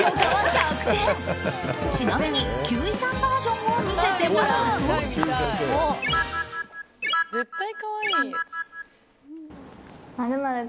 ちなみに休井さんバージョンを見せてもらうと。